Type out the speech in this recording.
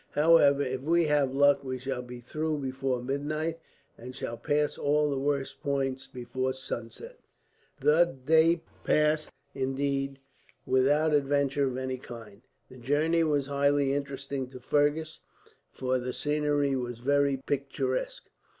However, if we have luck we shall be through before midnight, and shall pass all the worst points before sunset." The day passed, indeed, without adventure of any kind. The journey was highly interesting to Fergus, for the scenery was very picturesque.